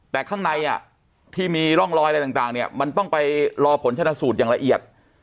แต่ข้างในที่มีร่องรอยอะไรต่างเนี่ยมันต้องไปรอผลชนะสูตรอย่างละเอียด